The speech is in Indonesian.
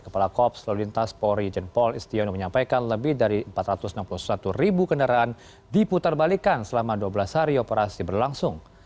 kepala kops lalu lintas polri jenpol istiono menyampaikan lebih dari empat ratus enam puluh satu ribu kendaraan diputar balikan selama dua belas hari operasi berlangsung